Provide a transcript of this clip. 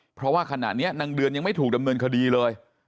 เพราะว่าขณะนี้นางเดือนยังไม่ถูกดำเนินคดีเลย